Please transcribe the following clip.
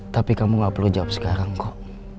tapi kamu gak perlu jawab sekarang kok